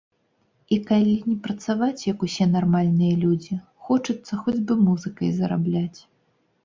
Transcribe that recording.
І калі не працаваць, як усе нармальныя людзі, хочацца хоць бы музыкай зарабляць.